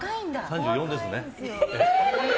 ３４ですね。